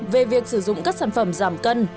về việc sử dụng các sản phẩm giảm cân